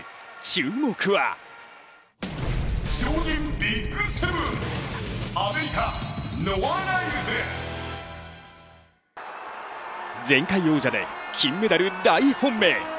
注目は前回王者で金メダル大本命。